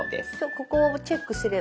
ここをチェックすれば。